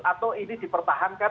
atau ini dipertahankan